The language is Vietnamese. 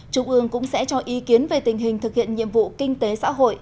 trung ương cũng sẽ cho ý kiến về tình hình thực hiện nhiệm vụ kinh tế xã hội